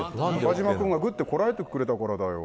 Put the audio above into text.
中島君が、ぐっとこらえてくれたからだよ。